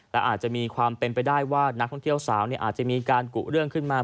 และอาจจะมีความเป็นไปได้ว่านักท่องเที่ยวสาวอาจจะมีการกุเรื่องขึ้นมา